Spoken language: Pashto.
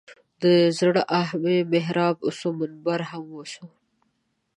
د زړه آه مې محراب وسو منبر هم وسو.